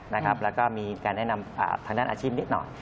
แล้วก็มีการแนะนำทางด้านอาชีพนิดหน่อย